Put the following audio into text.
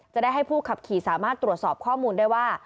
จะได้ให้ผู้ขับขี่สามารถตรวจสอบข้อมูลได้ว่า